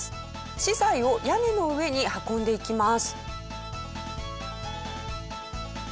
資材を屋根の上に運んでいきます。